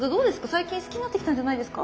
最近好きになってきたんじゃないですか？